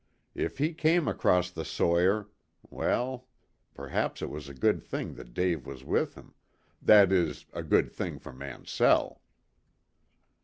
If he came across the sawyer well, perhaps it was a good thing that Dave was with him that is, a good thing for Mansell.